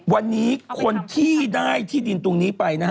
วันนี้คนที่ได้ที่ดินตรงนี้ไปนะฮะ